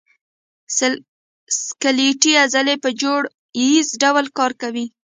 سکلیټي عضلې په جوړه ییز ډول کار کوي.